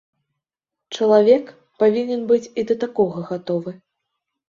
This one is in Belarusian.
Чалавек павінен быць і да такога гатовы.